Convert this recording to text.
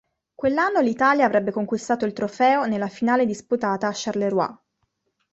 Quell'anno l'Italia avrebbe conquistato il trofeo nella finale disputata a Charleroi.